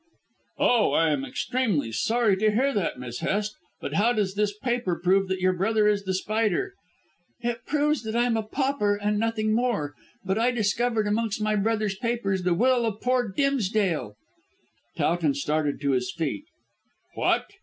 "Oh, I am extremely sorry to hear that, Miss Hest. But how does this paper prove that your brother is The Spider?" "It proves that I am a pauper and nothing more. But I discovered amongst my brother's papers the will of poor Mr. Dimsdale." Towton started to his feet. "What!